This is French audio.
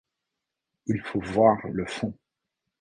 Il faut voir le fond.